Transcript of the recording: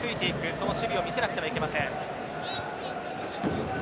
その守備を見せなくてはいけません。